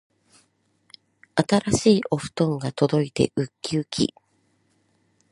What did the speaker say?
新しいお布団が届いてうっきうき